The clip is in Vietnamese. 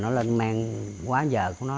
nó lên men quá giờ của nó